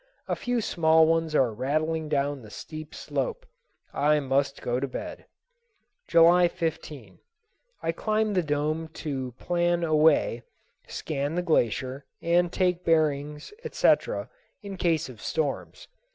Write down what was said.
A few small ones are rattling down the steep slope. I must go to bed. July 15. I climbed the dome to plan a way, scan the glacier, and take bearings, etc., in case of storms.